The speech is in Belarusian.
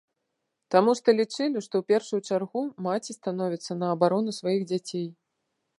Таму што лічылі, што ў першую чаргу маці становіцца на абарону сваіх дзяцей.